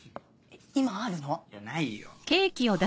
今あるの？ないよ。